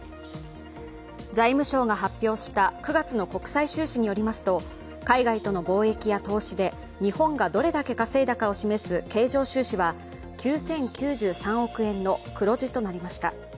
財務省が発表した９月の国際収支によりますと海外との貿易や投資で日本でどれだけ稼いだかを示す経常収支は９０９３億円の黒字となりました。